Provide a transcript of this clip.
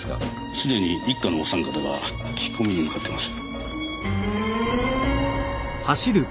すでに一課のお三方が聞き込みに向かっています。